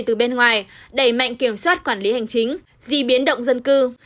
từ bên ngoài đẩy mạnh kiểm soát quản lý hành chính di biến động dân cư